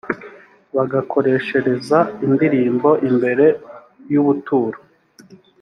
bagakoreshereza indirimbo imbere y ubuturo